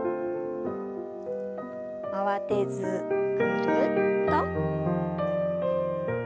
慌てずぐるっと。